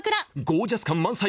「ゴージャス感満載！